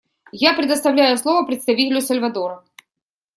Я предоставляю слово представителю Сальвадора.